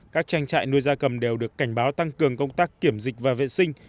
các trang trại nuôi gia cầm đều được cảnh báo tăng cường công tác kiểm dịch và vệ sinh